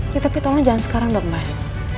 ya tapi tolong jangan sekarang dong mas